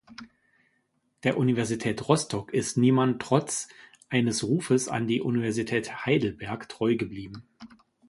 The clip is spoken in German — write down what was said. Der Universität Rostock ist Niemann trotz eines Rufes an die Universität Heidelberg treu geblieben.